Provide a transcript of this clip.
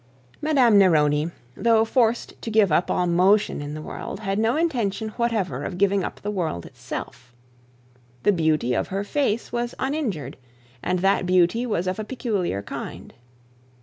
Madame Neroni, though forced to give up all motion in the world, had no intention whatever of giving up the world itself. The beauty of her face was uninjured, and that beauty was of a peculiar kind.